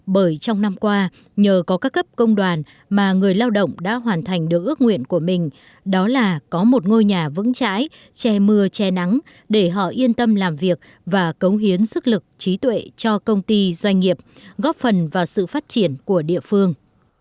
bởi trong năm qua nhờ có các cấp công đoàn mà người lao động đã hoàn thành được ước nguyện của mình đó là có một ngôi nhà vững chãi che mưa che nắng để họ yên tâm làm việc và cống hiến sức lực trí tuệ cho công ty doanh nghiệp góp phần vào sự phát triển của địa phương